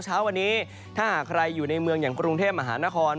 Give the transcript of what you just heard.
เช้าวันนี้ถ้าหากใครอยู่ในเมืองอย่างกรุงเทพมหานคร